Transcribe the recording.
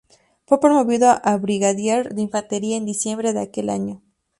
Fue promovido a brigadier de Infantería en diciembre de aquel año.